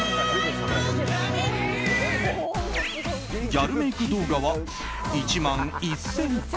ギャルメイク動画は１万１０００回。